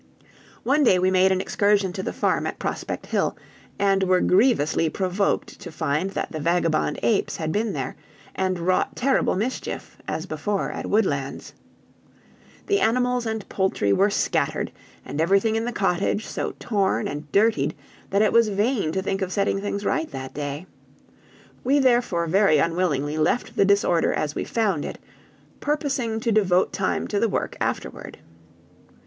One day we made an excursion to the farm at Prospect Hill, and were grievously provoked to find that the vagabond apes had been there, and wrought terrible mischief, as before at Woodlands. The animals and poultry were scattered, and everything in the cottage so torn and dirtied, that it was vain to think of setting things right that day. We therefore very unwillingly left the disorder as we found it, purposing to devote time to the work afterward.